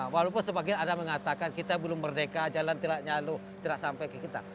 walaupun sebagian ada mengatakan kita belum merdeka jalan tidak nyalu tidak sampai ke kita